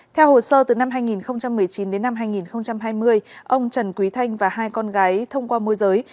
theo hồ sơ từ năm hai nghìn một mươi chín đến năm hai nghìn hai mươi ông trần quý thanh và hai con gái thông qua môi giới